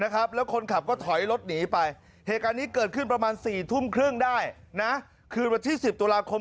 การนี้เกิดขึ้นประมาณ๔ทุ่มครึ่งได้นะคืนวันที่๑๐ตุลาคม